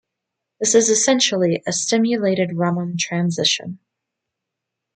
This is essentially a stimulated Raman transition.